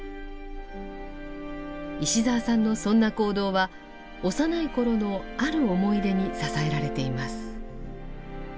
石澤さんのそんな行動は幼い頃のある思い出に支えられています。